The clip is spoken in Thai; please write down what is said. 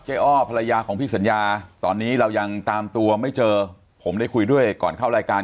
อ้อภรรยาของพี่สัญญาตอนนี้เรายังตามตัวไม่เจอผมได้คุยด้วยก่อนเข้ารายการ